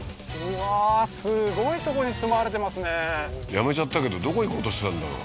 やめちゃったけどどこ行こうとしてたんだろう？